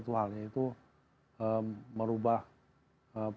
jadi saya khawatirkan ada satu hal yaitu merubah asap kebakar hutan